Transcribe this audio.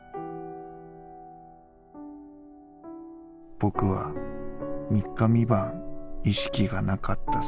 僕は３日３晩意識が無かったそうだ」。